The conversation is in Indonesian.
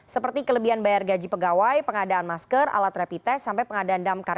seperti kelebihan bayar gaji pegawai pengadaan masker alat rapid test sampai pengadaan damkar